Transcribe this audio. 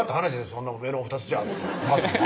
そんなメロン２つじゃってお母さんは？